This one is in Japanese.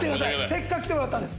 せっかく来てもらったんです。